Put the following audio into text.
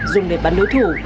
dùng để bắn đối thủ